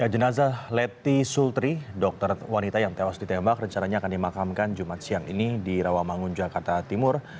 jenazah leti sultri dokter wanita yang tewas ditembak rencananya akan dimakamkan jumat siang ini di rawamangun jakarta timur